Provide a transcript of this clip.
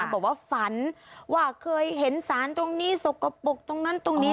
บอกว่าฝันว่าเคยเห็นสารตรงนี้สกปรกตรงนั้นตรงนี้